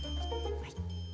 はい。